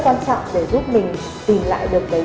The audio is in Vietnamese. quan trọng để giúp mình tìm lại